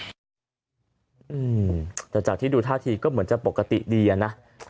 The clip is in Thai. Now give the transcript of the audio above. อืมแต่จากที่ดูท่าทีก็เหมือนจะปกติดีอะนะ